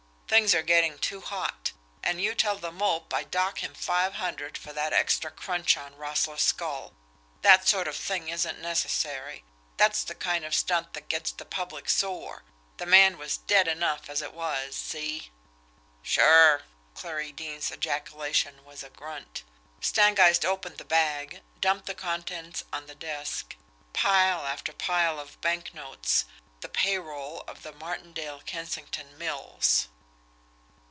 Things are getting too hot. And you tell The Mope I dock him five hundred for that extra crunch on Roessle's skull. That sort of thing isn't necessary. That's the kind of stunt that gets the public sore the man was dead enough as it was. See?" "Sure!" Clarie Deane's ejaculation was a grunt. Stangeist opened the bag, and dumped the contents on the desk pile after pile of banknotes, the pay roll of the Martindale Kensington Mills.